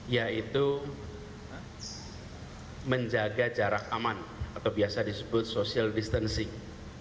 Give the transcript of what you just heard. yaitu menjaga jarak aman atau biasa disebut social distancing